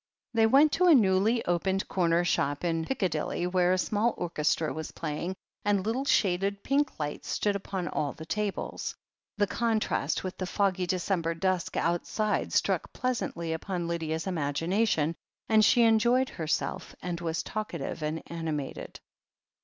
They went to a newly opened corner shop in Pic cadilly, where a small orchestra was playing, and little shaded pink lights stood upon all the tables. The con trast with the foggy December dusk outside struck pleasantly upon Lydia's imagination, and she enjoyed herself, and was talkative and animated.